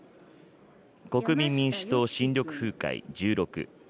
国民民主党・新緑風会１６。